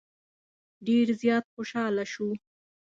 ډېر زیات خوشاله شو.